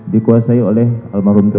dikuasai oleh almarhum itu